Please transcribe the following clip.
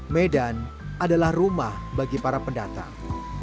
medan adalah rumah bagi para pendatang